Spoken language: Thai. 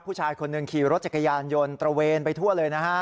ผู้ชายคนหนึ่งขี่รถจักรยานยนต์ตระเวนไปทั่วเลยนะฮะ